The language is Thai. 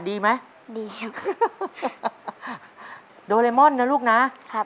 ต้นไม้ประจำจังหวัดระยองการครับ